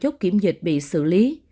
chốt kiểm dịch bị xử lý